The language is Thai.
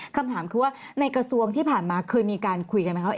คำถามคือว่าในกระทรวงที่ผ่านมาเคยมีการคุยกันไหมคะ